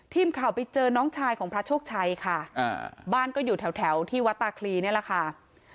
ทีมข่าวไปเจอน้องชายของพระโชคชัยค่ะบ้านก็อยู่แถวที่วัดตาคลีนี่แหละค่ะ